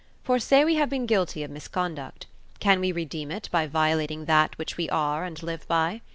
For say we have been guilty of misconduct: can we redeem it by violating that which we are and live by?